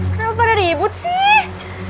kenapa pada ribut sih